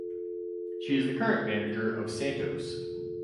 She is the current manager of Santos.